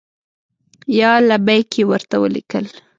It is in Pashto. یا لبیک! یې ورته ولیکل.